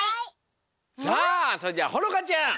さあそれじゃほのかちゃん。